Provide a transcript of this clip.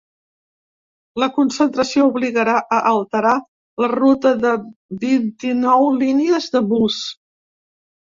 La concentració obligarà a alterar la ruta de vint-i-nou línies de bus.